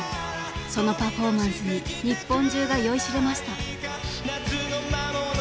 そのパフォーマンスに日本中が酔いしれました。